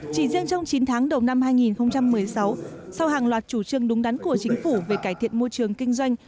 chỉ riêng trong chín tháng đầu năm hai nghìn một mươi sáu sau hàng loạt chủ trương đúng đắn của chính phủ về cải thiện môi trường kinh doanh